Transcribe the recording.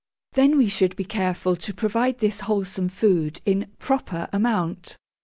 Then we should be careful to provide this wholesome food in proper amount.